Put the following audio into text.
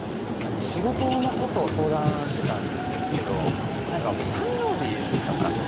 仕事のことを相談してたんですけど何か僕誕生日だったんすよ